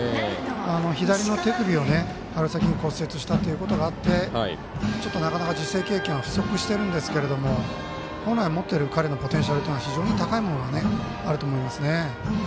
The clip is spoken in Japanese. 左の手首を春先に骨折したことがあってなかなか実戦経験は不足してるんですけど本来持っている彼のポテンシャルというのは非常に高いものがあると思いますね。